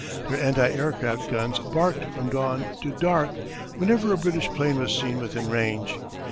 Their anti aircraft guns barked from dawn to dark whenever a British plane was seen within range.